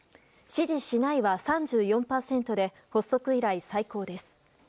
支持しないは３４％で発足以来、最高です。